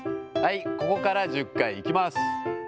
ここから１０回、いきます。